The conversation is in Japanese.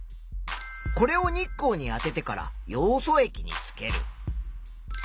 これを日光にあててからヨウ素液につける。